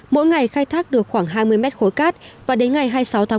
mỗi ngày khai thác được khoảng hai mươi mét khối cát và đến ngày hai mươi sáu tháng một